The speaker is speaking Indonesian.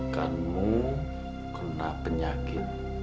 kamu kena penyakit